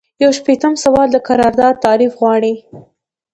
یو شپیتم سوال د قرارداد تعریف غواړي.